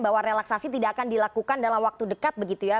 bahwa relaksasi tidak akan dilakukan dalam waktu dekat begitu ya